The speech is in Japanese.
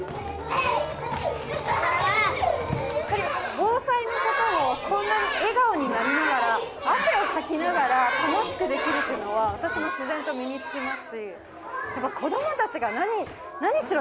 防災のことを、こんなに笑顔になりながら、汗をかきながら、楽しくできるというのは、私も自然と身につきますし、やっぱり子どもたちが何しろ